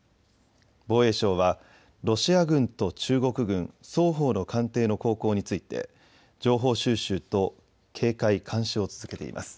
防衛省はロシア軍と中国軍双方の艦艇の航行について情報収集と警戒・監視を続けています。